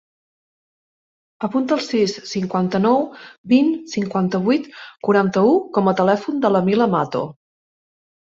Apunta el sis, cinquanta-nou, vint, cinquanta-vuit, quaranta-u com a telèfon de la Mila Mato.